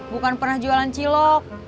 bukan pernah jualan cilok